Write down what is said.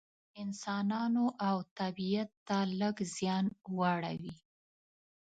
انسانانو او طبیعت ته لږ زیان واړوي.